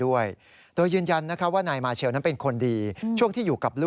ซึ่งเพื่อนสนิทของนายมาเชลเลยนะครับ